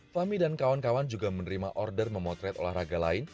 fahmi dan kawan kawan juga menerima order memotret olahraga lain